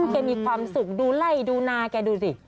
แกมีความสุขดูไล่ดูนาแกดูสิ